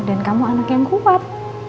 dan kamu anak yang kuat